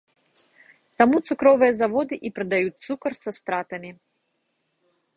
Таму цукровыя заводы і прадаюць цукар са стратамі.